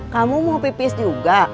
kamu mau pipis juga